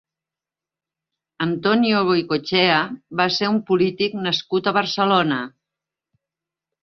Antonio Goicoechea va ser un polític nascut a Barcelona.